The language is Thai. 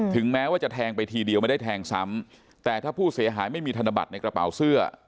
แม้ว่าจะแทงไปทีเดียวไม่ได้แทงซ้ำแต่ถ้าผู้เสียหายไม่มีธนบัตรในกระเป๋าเสื้อ